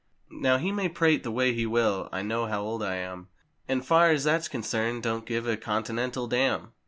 Now he may prate the way he will, I know how old I am, And far as that's concerned don't give a Continental dam.